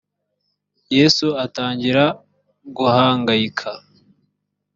yesu atangira guhangayika